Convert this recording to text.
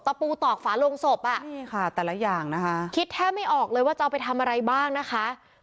ปูตอกฝาโลงศพอ่ะนี่ค่ะแต่ละอย่างนะคะคิดแทบไม่ออกเลยว่าจะเอาไปทำอะไรบ้างนะคะ